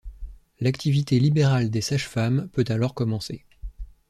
L'activité libérale des sages femmes peut alors commencer.